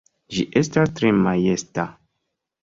Ĝi estas tre majesta!